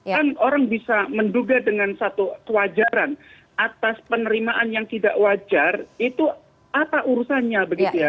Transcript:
kan orang bisa menduga dengan satu kewajaran atas penerimaan yang tidak wajar itu apa urusannya begitu ya